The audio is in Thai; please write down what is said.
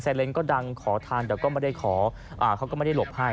แซลนก็ดังขอทางแต่ก็ไม่ได้หลบให้